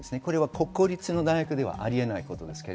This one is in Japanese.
国公立の大学ではあり得ないわけです。